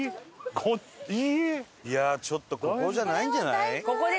いやあちょっとここじゃないんじゃない？